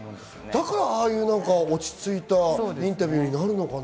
だから落ち着いたインタビューになるのかな？